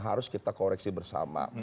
harus kita koreksi bersama